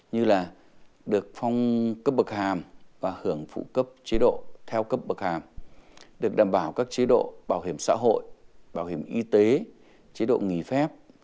như là được cấp bậc hàm và hưởng phụ cấp chế độ theo cấp bậc hàm được đảm bảo các chế độ bảo hiểm xã hội bảo hiểm y tế chế độ nghỉ phép